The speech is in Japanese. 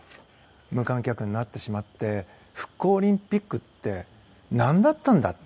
無観客になってしまって復興オリンピックって何だったんだと。